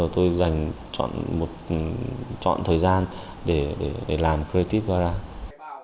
tôi dành một chọn thời gian để làm creative garage